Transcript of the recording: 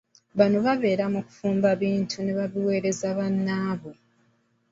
Bano babeera mu kufumba bintu ne babiweereza bannaabwe.